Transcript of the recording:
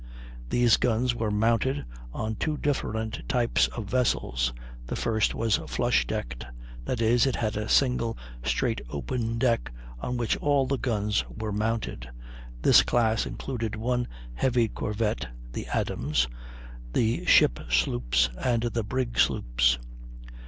These guns were mounted on two different types of vessel. The first was flush decked; that is, it had a single straight open deck on which all the guns were mounted. This class included one heavy corvette, (the Adams), the ship sloops, and the brig sloops.